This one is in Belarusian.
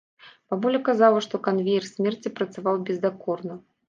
Бабуля казала, што канвеер смерці працаваў бездакорна.